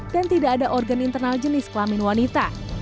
dan tidak ada organ internal jenis kelamin wanita